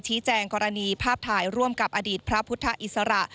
แจ้งกรณีภาพถ่ายร่วมกับอดีตพระพุทธอิสระ